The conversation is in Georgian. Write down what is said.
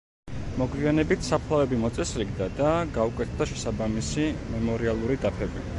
მოგვიანებით საფლავები მოწესრიგდა და გაუკეთდა შესაბამისი მემორიალური დაფები.